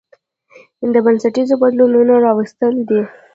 د بنسټيزو بدلونونو راوستل دي